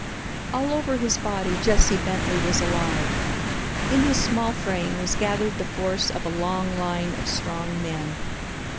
All over his body Jesse Bentley was alive. In his small frame was gathered the force of a long line of strong men.